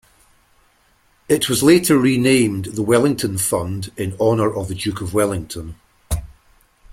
It was later renamed the Wellington Fund in honor of the Duke of Wellington.